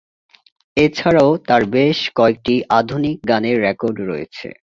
এছাড়াও তার বেশ কয়েকটি আধুনিক গানের রেকর্ড রয়েছে।